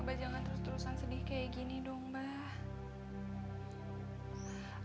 abah jangan terus terusan sedih kayak gini dong mbah